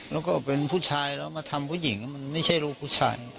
แล้วก็เป็นผู้ชายแล้วมาทำผู้หญิงมันไม่ใช่ลูกผู้ชาย